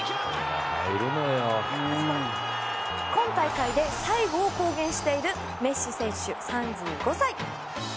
今大会で最後を公言しているメッシ選手、３５歳。